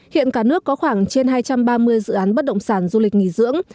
hiện cả nước có khoảng trên hai trăm ba mươi dự án bất động sản du lịch nghỉ dưỡng